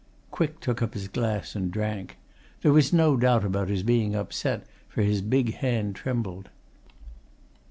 Quick took up his glass and drank. There was no doubt about his being upset, for his big hand trembled.